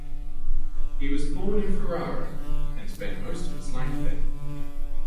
He was born in Ferrara, and spent most of his life there.